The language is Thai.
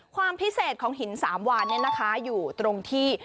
ความพิเศษของหินสามวานอยู่ตรงที่